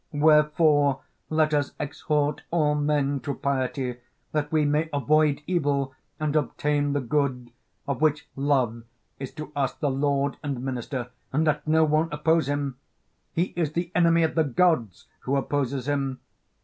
Wherefore let us exhort all men to piety, that we may avoid evil, and obtain the good, of which Love is to us the lord and minister; and let no one oppose him he is the enemy of the gods who opposes him.